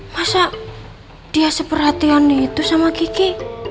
masa dia seperhatian itu sama kiki